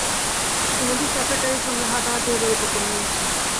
ইতিমধ্যে সেক্রেটারির সঙ্গে হাতাহাতি হইবার উপক্রম হইয়াছে।